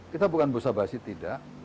kita bukan busa basi tidak